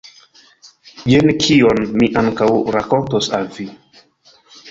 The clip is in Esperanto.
Jen kion mi ankaŭ rakontos al vi.